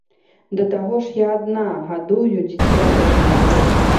Да таго ж я адна гадую дзіця.